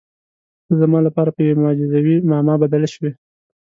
ته زما لپاره په یوې معجزوي معما بدل شوې.